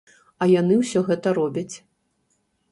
А яны ўсё гэта робяць.